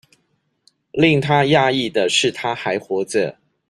令他訝異的是她還活著